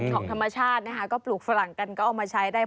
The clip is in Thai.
ของธรรมชาตินะคะก็ปลูกฝรั่งกันก็เอามาใช้ได้